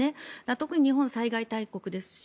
特に日本は災害大国ですし。